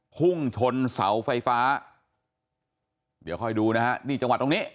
พุ่งชนเสาไฟฟ้าเดี๋ยวค่อยดูนะฮะนี่จังหวัดตรงนี้